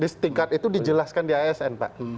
di setingkat itu dijelaskan di asn pak